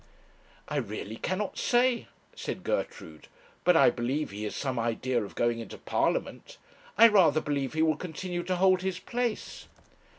'I really cannot say,' said Gertrude; 'but I believe he has some idea of going into Parliament. I rather believe he will continue to hold his place.'